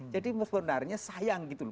jadi sebenarnya sayang gitu loh